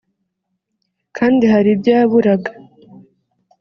kandi hari ibyo yaburaga